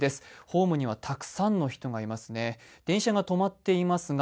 ホームにはたくさんの人がいますね。